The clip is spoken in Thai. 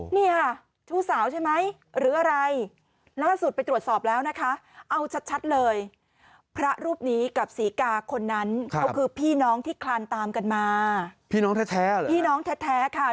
พี่น้องแท้หรือพี่น้องแท้ค่ะ